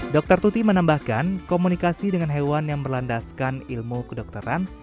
dr tuti menambahkan komunikasi dengan hewan yang berlandaskan ilmu kedokteran